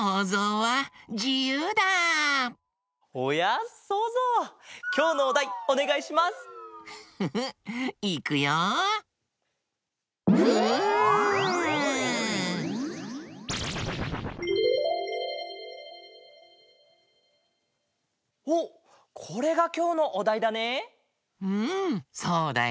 うんそうだよ。